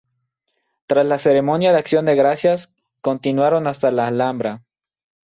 Tras la ceremonia de Acción de Gracias continuaron hasta la Alhambra.